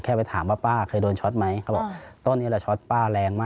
แค่ไปถามว่าป้าเคยโดนฉอทไหม